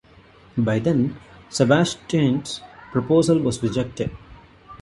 By then, Sebastian's proposal was rejected.